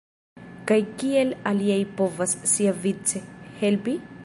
Kaj kiel aliaj povas, siavice, helpi?